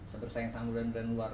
sebesar yang sama brand brand luar